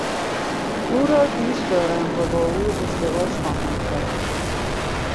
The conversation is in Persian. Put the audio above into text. او را دوست دارم و با او ازدواج خواهم کرد.